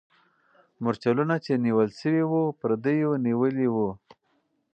مرچلونه چې نیول سوي وو، پردیو نیولي وو.